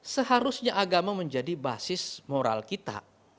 seharusnya agama menjadi basis moral kita